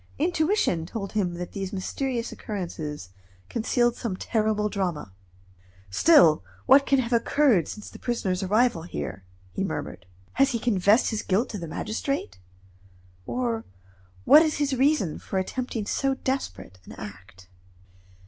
Intuition told him that these mysterious occurrences concealed some terrible drama. "Still, what can have occurred since the prisoner's arrival here?" he murmured. "Has he confessed his guilt to the magistrate, or what is his reason for attempting so desperate an act?"